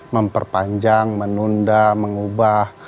memperpanjang menunda mengubah